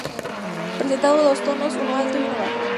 Presenta dos tonos, uno alto y uno bajo.